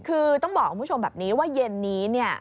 คือต้องบอกคุณผู้ชมแบบนี้ว่าเย็นนี้เนี่ย